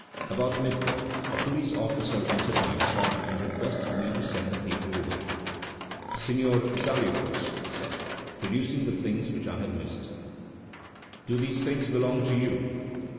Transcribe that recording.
About mid day a police officer entered my shop and requested me to send the people away. "Signor Zaleukos," he said, producing the things which I had missed, "do these things belong to you?"